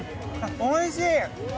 おいしい！